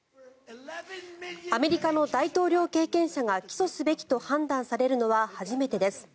アメリカの大統領経験者が起訴すべきと判断されるのは初めてです。